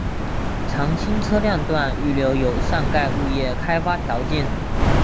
常青车辆段预留有上盖物业开发条件。